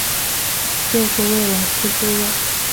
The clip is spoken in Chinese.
就是为了吃猪肉